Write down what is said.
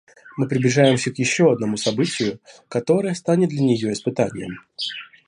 Мы приближаемся к еще одному событию, которое станет для нее испытанием.